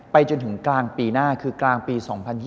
จนถึงกลางปีหน้าคือกลางปี๒๐๒๐